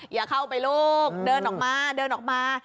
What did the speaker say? อย่าเข้าไปลูกเดินออกมา